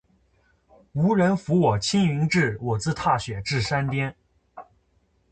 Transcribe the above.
无人扶我青云志，我自踏雪至山巅。